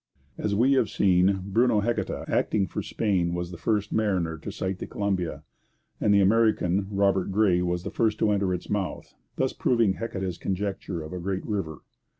As we have seen, Bruno Heceta, acting for Spain, was the first mariner to sight the Columbia, and the American, Robert Gray, was the first to enter its mouth, thus proving Heceta's conjecture of a great river.